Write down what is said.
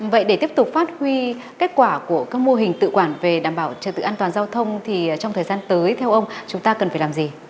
vậy để tiếp tục phát huy kết quả của các mô hình tự quản về đảm bảo trật tự an toàn giao thông thì trong thời gian tới theo ông chúng ta cần phải làm gì